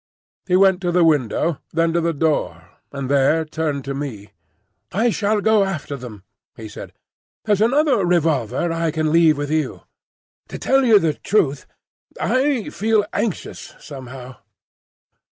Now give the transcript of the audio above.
He went to the window, then to the door, and there turned to me. "I shall go after him," he said. "There's another revolver I can leave with you. To tell you the truth, I feel anxious somehow."